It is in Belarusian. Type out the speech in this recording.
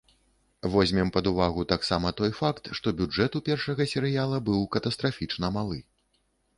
Возьмем пад увагу таксама той факт, што бюджэт у першага серыяла быў катастрафічна малы.